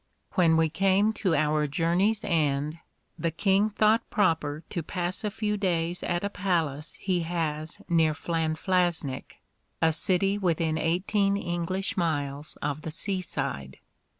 When we came to our journey's end, the king thought proper to pass a few days at a palace he has near Flanflasnic, a city within eighteen English miles of the seaside.